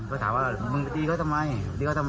เขาถามว่ามึงตีก็ทำไมเดินตามถึงรถ